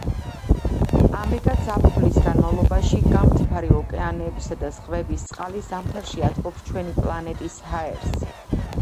ამრიგად, ზაფხულის განმავლობაში გამთბარი ოკეანეებისა და ზღვების წყალი ზამთარში ათბობს ჩვენი პლანეტის ჰაერს.